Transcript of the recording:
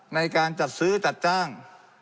ในการจัดซื้อจัดจ้าง